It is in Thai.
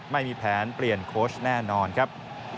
ไม่มีแผนเปลี่ยนโค้ชแน่นอนครับ